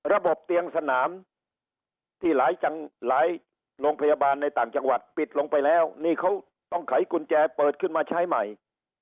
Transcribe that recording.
ระบบเตียงสนามที่หลายโรงพยาบาลในต่างจังหวัดปิดลงไปแล้วนี่เขาต้องไขกุญแจเปิดขึ้นมาใช้ใหม่